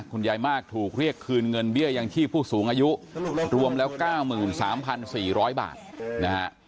คุณยายมากถูกเรียกคืนเงินเบี้ยยังชีพผู้สูงอายุรวมแล้ว๙๓๔๐๐บาทนะฮะ